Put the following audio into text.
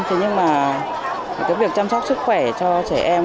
thế nhưng mà cái việc chăm sóc sức khỏe cho trẻ em